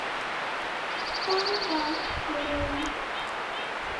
তার নাম লীম!